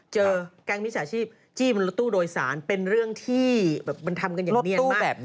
เจอแกงมิจฉาชีพจิ้มรถตู้โดยสารเป็นเรื่องที่มันทำกันอย่างเนียนมาก